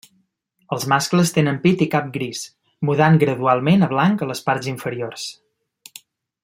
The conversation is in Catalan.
Els mascles tenen pit i cap gris, mudant gradualment a blanc a les parts inferiors.